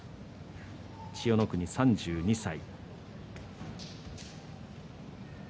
千代の国は３２歳。